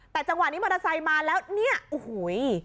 แต่จังหวะนี้มอเตอร์ไซค์มาแล้วเนี่ยโอ้โห